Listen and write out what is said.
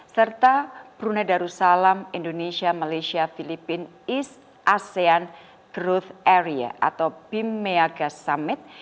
serta brunei darussalam indonesia malaysia filipina east asean growth area atau bimmeaga summit